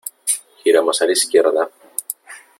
giramos a la izquierda .